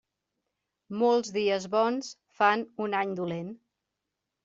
Molts dies bons fan un any dolent.